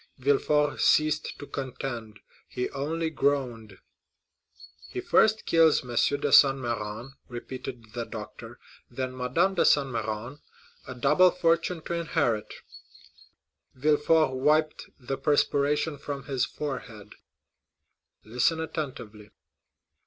Villefort ceased to contend; he only groaned. "He first kills M. de Saint Méran," repeated the doctor, "then Madame de Saint Méran,—a double fortune to inherit." Villefort wiped the perspiration from his forehead. "Listen attentively."